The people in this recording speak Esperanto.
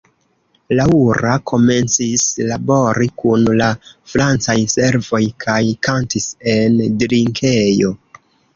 Laura komencis labori kun la francaj servoj kaj kantis en drinkejo.